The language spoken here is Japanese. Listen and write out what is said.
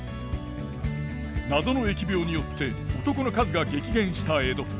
謎の疫病によって男の数が激減した江戸。